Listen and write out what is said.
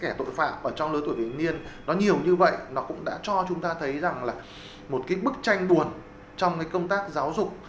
những cái người phạm ở trong lối tuổi viện niên nó nhiều như vậy nó cũng đã cho chúng ta thấy rằng là một cái bức tranh buồn trong cái công tác giáo dục